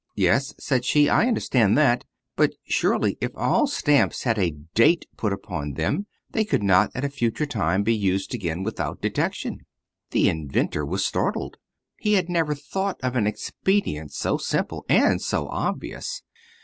"Yes," said she, "I understand that; but, surely, if all stamps had a DATE put upon them they could not at a future time be used again without detection." The inventor was startled. He had never thought of an expedient so simple and so obvious.